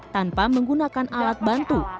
tanpa menggunakan alat bantu